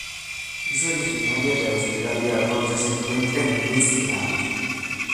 Es originaria de Australia donde se encuentra en Queensland.